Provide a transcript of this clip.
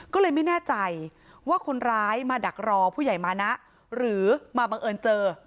ก็เลยไม่แน่ใจว่าคนร้ายมาดักรอผู้ใหญ่มานะหรือมาบังเอิญเจอ